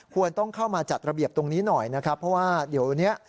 ควรต้องเข้ามาจัดระเบียบตรงนี้หน่อยนะครับเพราะว่าเดี๋ยวนี้